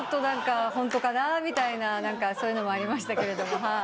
ホントかなみたいなそういうのもありましたけど。